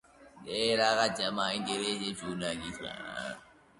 სარკმლის ორივე მხარეს, სიმეტრიულად, სხვადასხვა ზომის ორ-ორი თაღოვანი ნიში.